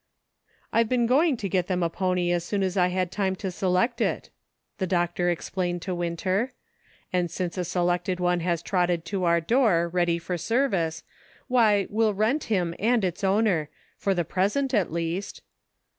" I've been going to get them a pony as soon as I had time to select it," the doctor explained to Winter, " and since a selected one has trotted to our door ready for service, why, we'll rent him and his owner ; for the present, at least."